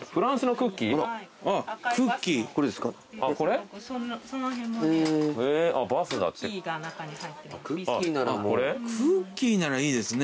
クッキーならいいですね。